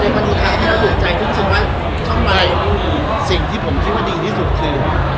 มันต้องสุดใจที่คิดว่าสิ่งที่ผมคิดว่าดีที่สุดคือ